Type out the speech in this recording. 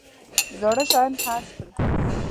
زاړه شیان خرڅ کړل.